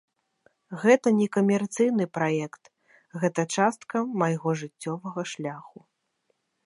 Гэта не камерцыйны праект, гэта частка майго жыццёвага шляху.